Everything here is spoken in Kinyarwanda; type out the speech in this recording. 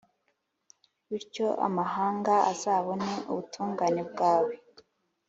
bityo, amahanga azabone ubutungane bwawe,